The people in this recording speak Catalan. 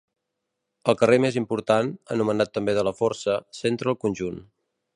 El carrer més important, anomenat també de la Força, centra el conjunt.